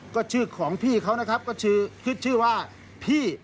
ก็ชื่อของมีเลยนะครับชื่อว่าพี่